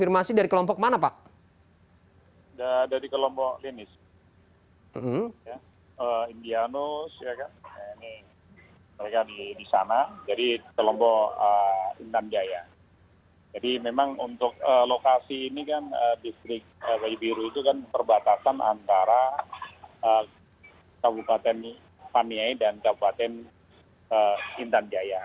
jadi memang untuk lokasi ini kan distrik baya biru itu kan perbatasan antara kabupaten paniai dan kabupaten intan jaya